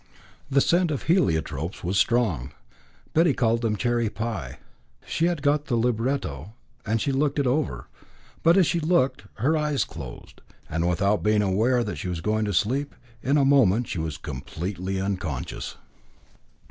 The scent of the heliotropes was strong. Betty called them cherry pie. She had got the libretto, and she looked it over; but as she looked, her eyes closed, and without being aware that she was going to sleep, in a moment she was completely unconscious.